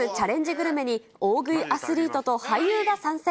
グルメに、大食いアスリートと俳優が参戦。